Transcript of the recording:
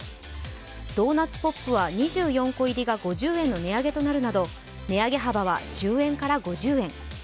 ドーナツポップは２４個入りが５０円の値上げとなるなど値上げ幅は１０円から５０円。